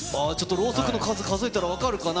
ろうそくの数を数えたらわかるかな？